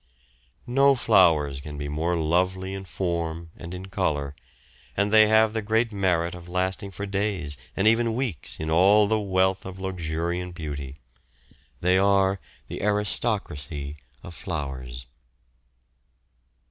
No flowers can be more lovely in form and in colour, and they have the great merit of lasting for days and even weeks in all the wealth of luxuriant beauty. They are the aristocracy of flowers.